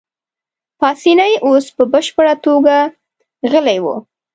پاسیني اوس په بشپړه توګه غلی وو.